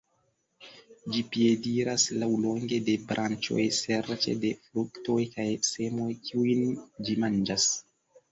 Ĝi piediras laŭlonge de branĉoj serĉe de fruktoj kaj semoj kiujn ĝi manĝas.